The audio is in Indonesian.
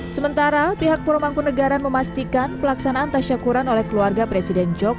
sementara pihak pura mangkunegaran memastikan pelaksanaan tasyakuran oleh keluarga presiden jokowi